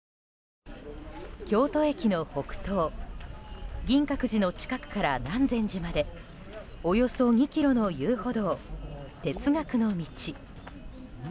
京都駅の北東銀閣寺の近くから南禅寺までおよそ２ｋｍの遊歩道哲学の道。